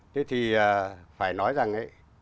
thế thì phải nói rằng